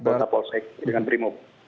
berada polsek dengan brimop